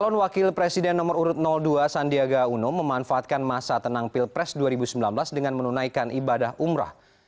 calon wakil presiden nomor urut dua sandiaga uno memanfaatkan masa tenang pilpres dua ribu sembilan belas dengan menunaikan ibadah umroh